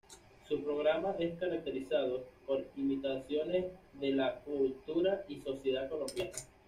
Su programa es caracterizado por imitaciones de la cultura y sociedad colombiana.